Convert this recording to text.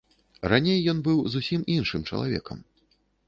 Раней ён быў зусім іншым чалавекам.